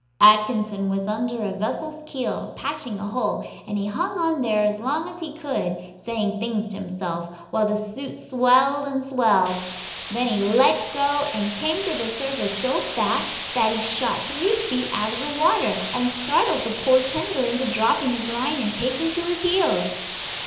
Atkinson was under a vessel's keel, patching a hole, and he hung on there as long as he could, saying things to himself, while the suit swelled and swelled. Then he let go, and came to the surface so fast that he shot three feet out of the water, and startled the poor tender into dropping his line and taking to his heels.